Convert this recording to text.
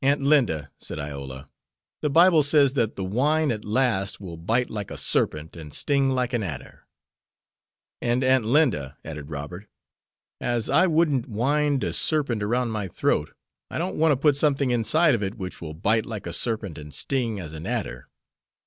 "Aunt Linda," said Iola, "the Bible says that the wine at last will bite like a serpent and sting like an adder." "And, Aunt Linda," added Robert, "as I wouldn't wind a serpent around my throat, I don't want to put something inside of it which will bite like a serpent and sting as an adder."